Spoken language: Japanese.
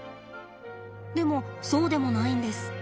でもそうでもないんです。